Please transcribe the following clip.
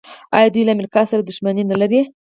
آیا دوی له امریکا سره دښمني نلري؟